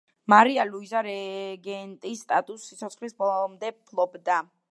მარია ლუიზა რეგენტის სტატუსს სიცოცხლის ბოლომდე ფლობდა.